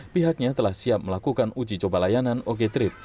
pihaknya telah siap melakukan uji coba layanan oko trip